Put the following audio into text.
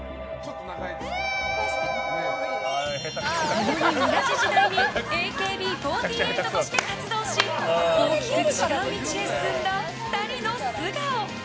共に同じ時代にＡＫＢ４８として活動し大きく違う道へ進んだ２人の素顔。